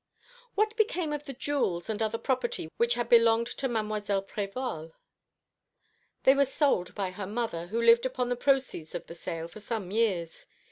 "What became of the jewels and other property which had belonged to Mademoiselle Prévol?" "They were sold by her mother, who lived upon the proceeds of the sale for some years.